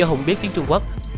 do hùng biết tiếng trung quốc